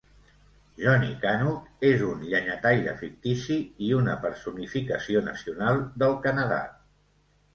Johnny Canuck és un llenyataire fictici i una personificació nacional del Canadà.